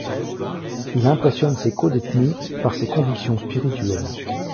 Il impressionne ses codétenus par ses convictions spirituelles.